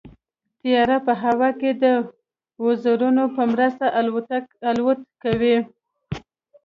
طیاره په هوا کې د وزرونو په مرسته الوت کوي.